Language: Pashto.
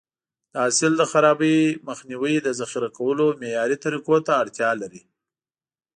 د حاصل د خرابي مخنیوی د ذخیره کولو معیاري طریقو ته اړتیا لري.